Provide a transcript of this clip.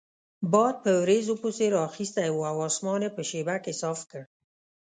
باد په وریځو پسې رااخیستی وو او اسمان یې په شیبه کې صاف کړ.